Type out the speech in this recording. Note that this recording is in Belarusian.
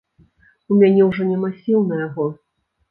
У мяне ўжо няма сіл на яго.